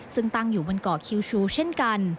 ซึ่งตั้งอยู่บนเกาะคิวชูเช่นกัน